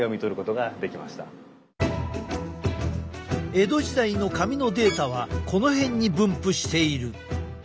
江戸時代の髪のデータはこの辺に分布している。